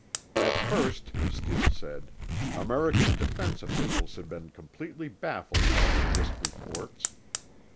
At first, Steele said, American defense officials had been completely baffled by the disk reports.